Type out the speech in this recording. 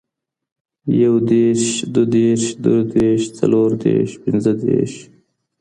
يو ديرش دوه ديرش دره دیرش څلور ديرش پنځه ديرش